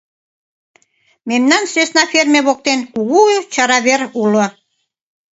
Мемнан сӧсна ферме воктен кугу чара вер уло.